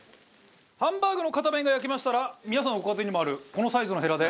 ハンバーグの片面が焼けましたら皆さんのご家庭にもあるこのサイズのヘラで。